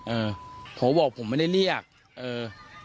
เออผมบอกผมไม่ได้เรียกเออ